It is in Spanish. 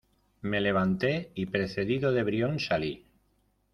me levanté, y precedido de Brión , salí.